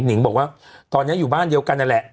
นิงบอกว่าตอนนี้อยู่บ้านเดียวกันนั่นแหละ